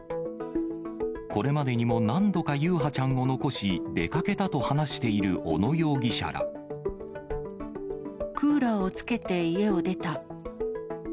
これまでにも何度か優陽ちゃんを残し、出かけたと話している小野クーラーをつけて家を出た。